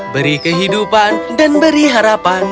beri kehidupan dan beri harapan